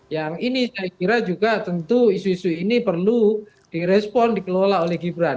yang ini saya kira juga tentu isu isu ini perlu direspon dikelola oleh gibran